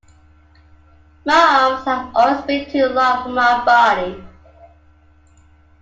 My arms have always been too long for my body.